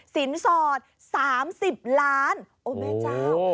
สินศอด๓๐ล้านโอ้มวยจ้าว